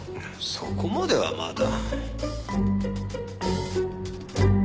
そこまではまだ。